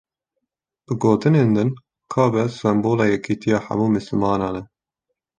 Bi gotinên din Kabe sembola yekîtiya hemû misilmanan e.